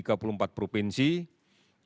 ini adalah gambaran dari banten